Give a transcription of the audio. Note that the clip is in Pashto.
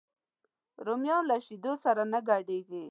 رومیان له شیدو سره نه ګډېږي